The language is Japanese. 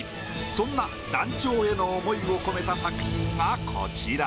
そんな団長への思いを込めた作品がこちら。